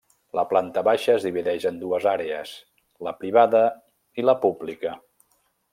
La planta baixa es divideix en dues àrees: la privada i la pública.